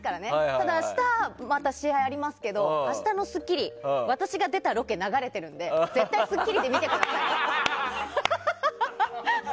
ただ、明日はまた試合がありますけど明日の「スッキリ」は私が出たロケ、流れてるので絶対「スッキリ」見てくださいね。